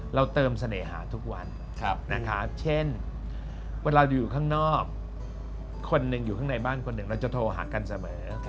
เราเติมเสน่หาทุกวันเช่นเวลาอยู่ข้างนอกคนหนึ่งอยู่ข้างในบ้านคนหนึ่งเราจะโทรหากันเสมอ